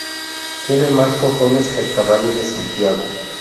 Tiene más cojones que el caballo de Santiago.